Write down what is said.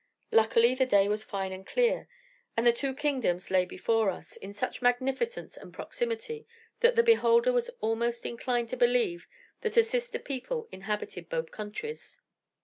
Luckily, the day was fine and clear, and the two kingdoms lay before us, in such magnificence and proximity, that the beholder was almost inclined to believe that a sister people inhabited both countries.